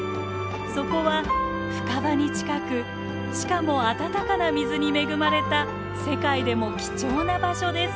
そこは深場に近くしかもあたたかな水に恵まれた世界でも貴重な場所です。